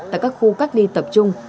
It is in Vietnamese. tại các khu cách ly tập trung